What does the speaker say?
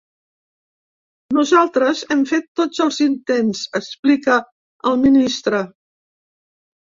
Nosaltres hem fet tots els intents, explica el ministre.